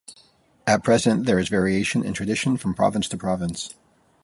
At present there is variation in tradition from province to province.